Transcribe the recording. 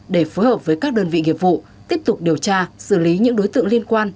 để phối hợp với các đơn vị nghiệp vụ tiếp tục điều tra xử lý những đối tượng liên quan